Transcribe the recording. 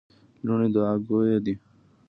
لوڼي دوعا ګویه دي.